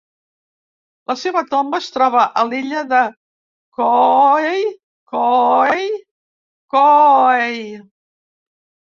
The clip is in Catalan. La seva tomba es troba a l'illa de KooeyKooeyKooey.